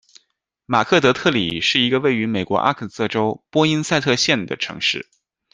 马克德特里是一个位于美国阿肯色州波因塞特县的城市。